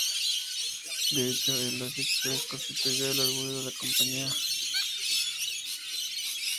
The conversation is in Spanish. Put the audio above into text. De hecho, el "Asia Express" constituyó el orgullo de la compañía.